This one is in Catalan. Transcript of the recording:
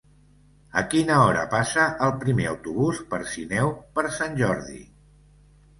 A quina hora passa el primer autobús per Sineu per Sant Jordi?